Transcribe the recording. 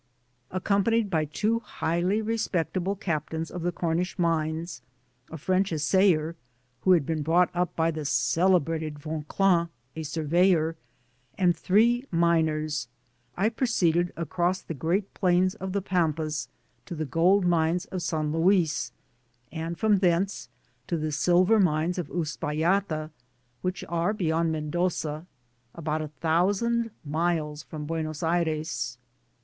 Accompanied by two highly respectable Gaptmns of the Comish Mines, a French Assayer, (who had been brought up by the celebrated Vauquelin,) a Surveyor, and three Digitized byGoogk INTRODUCTION, VW miners, I proceeded across the great plains of the Pampas to the Gold Muxes of San Luis, and from thence to the Silver Mines d* Uspallata which are beyond Mendoza, about a thousand miles from Buenos Aires.